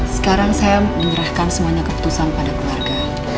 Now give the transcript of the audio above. sekarang saya menyerahkan semuanya keputusan pada keluarga